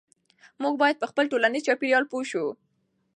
موږ باید په خپل ټولنیز چاپیریال پوه شو.